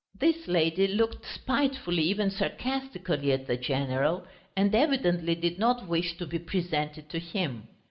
This lady looked spitefully, even sarcastically, at the general, and evidently did not wish to be presented to him.